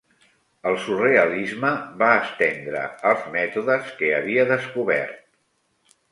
El surrealisme va estendre els mètodes que havia descobert.